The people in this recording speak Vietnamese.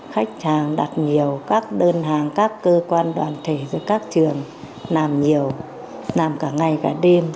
khách hàng đặt nhiều các đơn hàng các cơ quan đoàn thể giữa các trường làm nhiều làm cả ngày cả đêm